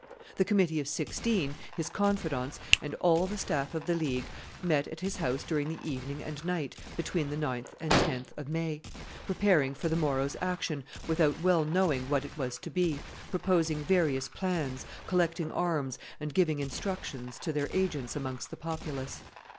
The committee of Sixteen, his confidants, and all the staff of the League, met at his house during the evening and night between the 9th and 10th of May, preparing for the morrow's action without well knowing what it was to be, proposing various plans, collecting arms, and giving instructions to their agents amongst the populace.